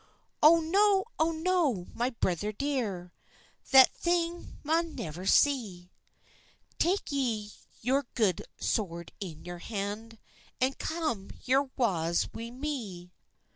"Oh no, oh no, my brither dear, That thing maun never be; Tak ye your good sword in your hand, An come your wa's wi me."